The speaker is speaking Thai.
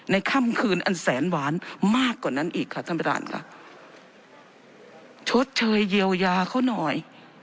ค่ำคืนอันแสนหวานมากกว่านั้นอีกค่ะท่านประธานค่ะชดเชยเยียวยาเขาหน่อย